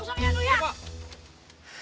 terima kasih pak